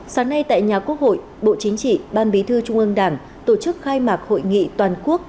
sáng nay tại nhà quốc hội bộ chính trị ban bí thư trung ương đảng tổ chức khai mạc hội nghị toàn quốc